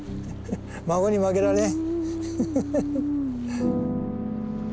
孫に負けられん！